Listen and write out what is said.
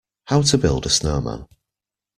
How to build a snowman.